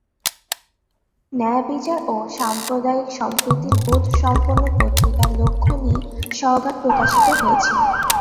ন্যায়বিচার ও সাম্প্রদায়িক সম্প্রীতির বোধ সম্পন্ন পত্রিকার লক্ষ্য নিয়ে সওগাত প্রকাশিত হয়েছিল।